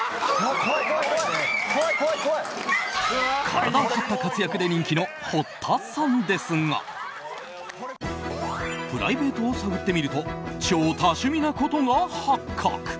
体を張った活躍で人気の堀田さんですがプライベートを探ってみると超多趣味なことが発覚。